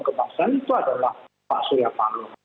kebangsaan itu adalah pak surya paloh